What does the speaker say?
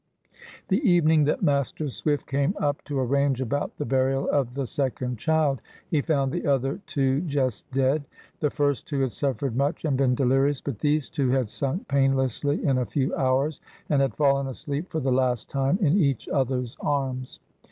The evening that Master Swift came up to arrange about the burial of the second child, he found the other two just dead. The first two had suffered much and been delirious, but these two had sunk painlessly in a few hours, and had fallen asleep for the last time in each other's arms.